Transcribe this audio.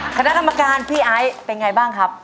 คณะกรรมการพี่ไอซ์เป็นไงบ้างครับ